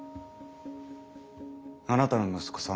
あなたの息子さん